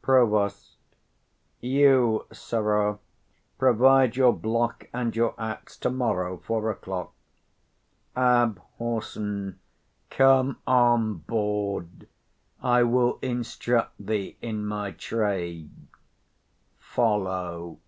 Prov. You, sirrah, provide your block and your axe to morrow four o'clock. Abhor. Come on, bawd; I will instruct thee in my trade; follow.